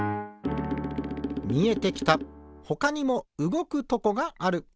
みえてきたほかにもうごくとこがある。